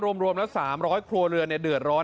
รวมละ๓๐๐ครัวเรือนเดือดร้อน